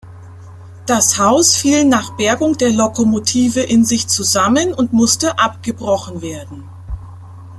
Das Haus fiel nach Bergung der Lokomotive in sich zusammen und musste abgebrochen werden.